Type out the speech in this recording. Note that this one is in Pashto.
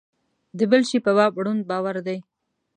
د بل شي په باب ړوند باور دی.